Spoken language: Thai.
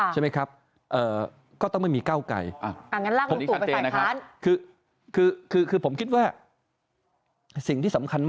ใช่ไหมครับ